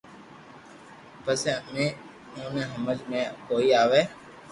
پسي بي اوني ھمج مي ڪوئي آوي